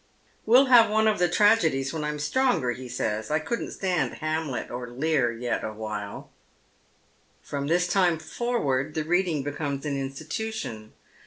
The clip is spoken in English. " We'll have one of the tragedies when I'm stronger," he says. " I couldn't stand ' Hamlet ' or ' Lear ' yet awhile." From this time forward the reading becomes an institution.